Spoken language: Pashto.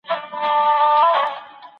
د هنر له لاري د سولي پیغامونه ورکول کیدل.